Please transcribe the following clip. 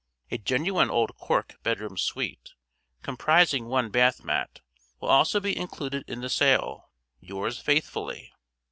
A genuine old cork bedroom suite, comprising one bath mat, will also be included in the sale. Yours faithfully."